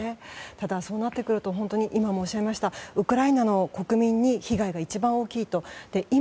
ただ、そなってくると今、申し上げましたウクライナの国民に被害が一番大きいと。